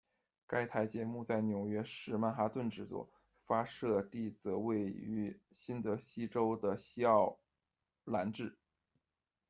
该台节目在纽约市曼哈顿制作，发射地则位于新泽西州的西奥兰治。